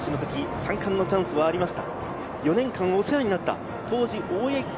３冠のチャンスはありました。